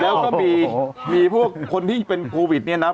แล้วก็มีพวกคนที่เป็นโควิดเนี่ยนะ